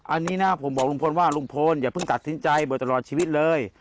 อันนี้นะผมบอกลุงพลว่าลุงพลอย่าเพิ่งตัดสินใจเบิดตลอดชีวิตเลย